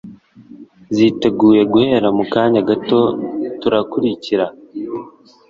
ziteguye guhera mukanya gato turakurikira